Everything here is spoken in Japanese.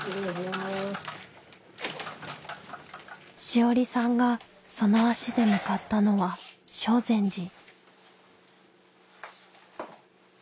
志織さんがその足で向かったのは性善寺。